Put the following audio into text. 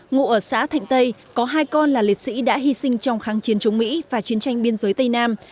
ngụ ở xã thạnh tây có hai con là liệt sĩ đã hy sinh trong kháng chiến chống mỹ và chiến tranh biên giới tây nam